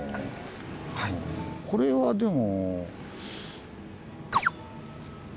これはでも。